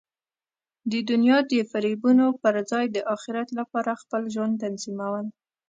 د دنیا د فریبونو پر ځای د اخرت لپاره خپل ژوند تنظیمول.